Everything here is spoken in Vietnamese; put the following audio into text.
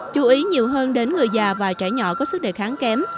chú ý nhiều hơn đến người già và trẻ nhỏ có sức đề kháng kém